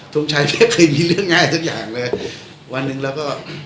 ทรงชัยไม่เคยมีเรื่องง่ายสักอย่างเลยวันหนึ่งเราก็